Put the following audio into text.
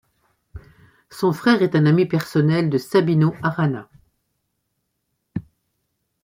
Son frère est un ami personnel de Sabino Arana.